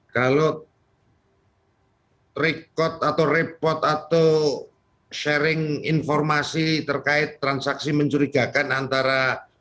kalau rekod atau repot atau sharing informasi terkait transaksi mencurigakan antara